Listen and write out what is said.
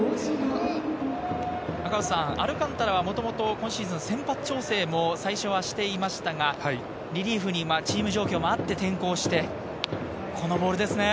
アルカンタラはもともと今シーズン、先発調整も最初はしていましたが、リリーフにチーム状況もあって変更してこのボールですね。